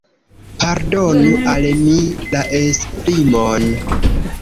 Pardonu al mi la esprimon.